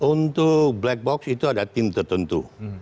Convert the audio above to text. untuk black box itu ada tim tertentu